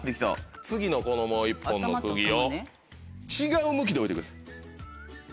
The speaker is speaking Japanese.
次のこのもう１本のくぎを違う向きで置いてください。